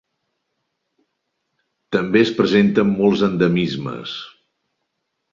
També es presenten molts endemismes.